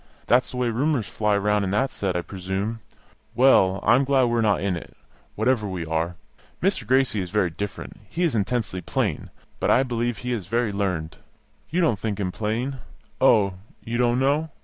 That's the way rumours fly round in that set, I presume. Well, I am glad we are not in it, wherever we are! Mr. Gracie is very different; he is intensely plain, but I believe he is very learned. You don't think him plain? Oh, you don't know?